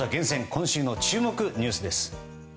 今週の注目ニュースです。